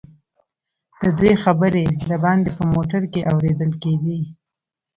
ددوئ خبرې دباندې په موټر کې اورېدل کېدې.